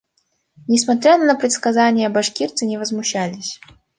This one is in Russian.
Несмотря на предсказания, башкирцы не возмущались.